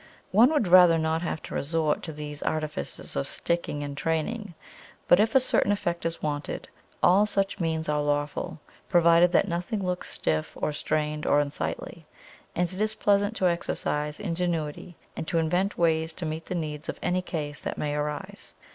One would rather not have to resort to these artifices of sticking and training; but if a certain effect is wanted, all such means are lawful, provided that nothing looks stiff or strained or unsightly; and it is pleasant to exercise ingenuity and to invent ways to meet the needs of any case that may arise.